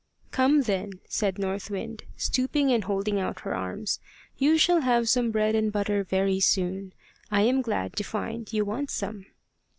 "Come then," said North Wind, stooping and holding out her arms. "You shall have some bread and butter very soon. I am glad to find you want some."